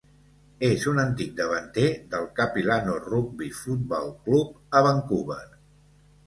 És un antic davanter del Capilano Rugby Football Club a Vancouver.